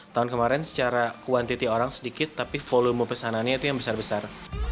tahun kemarin secara kuantiti orang sedikit tapi volume pesanannya itu yang besar besar